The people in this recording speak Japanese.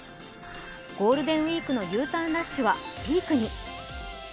ゴールデンウイークのＵターンラッシュはピークに。